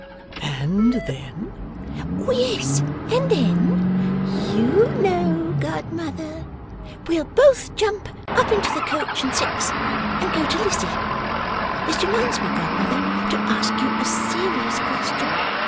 'And then?' 'Yes, and then YOU know, godmother. We'll both jump up into the coach and six and go to Lizzie. This reminds me, godmother, to ask you a serious question.